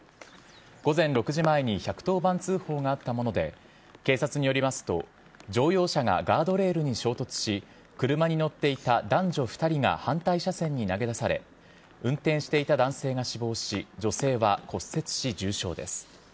午前６時前に１１０番通報があったもので、警察によりますと、乗用車がガードレールに衝突し、車に乗っていた男女２人が反対車線に投げ出され、運転していた男性が死亡し、女性は骨折し、重傷です。